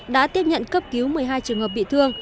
đã tiếp nhận cấp cứu một mươi hai trường hợp bị thương